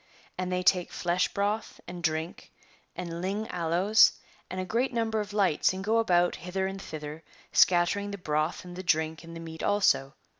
And they take flesh broth, and drink, and lign aloes, and a great number of lights, and go about hither and thither, scattering the broth and the drink and the meat also.